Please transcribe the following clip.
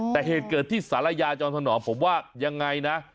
แต่เหตุเกิดที่สารยาจอมถนอมผมว่ายังไงนะ